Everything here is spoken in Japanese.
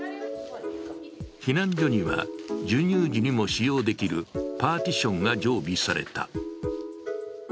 避難所には、授乳時にも使用できるパーティションが常備された。